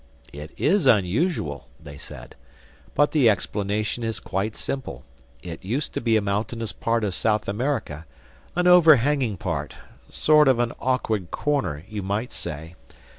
"It is unusual," they said. "But the explanation is quite simple. It used to be a mountainous part of South America—an overhanging part—sort of an awkward corner, you might say.